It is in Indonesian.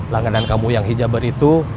langganan kamu yang hijaber itu